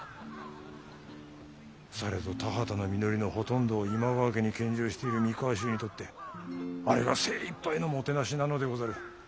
されど田畑の実りのほとんどを今川家に献上している三河衆にとってあれが精いっぱいのもてなしなのでござる。